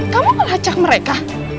kamu ngelacak mereka